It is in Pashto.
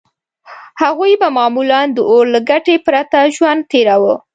هغوی به معمولاً د اور له ګټې پرته ژوند تېراوه.